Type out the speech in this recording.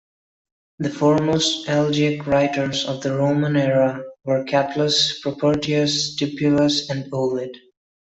The foremost elegiac writers of the Roman era were Catullus, Propertius, Tibullus, and Ovid.